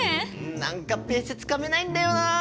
何かペースつかめないんだよな。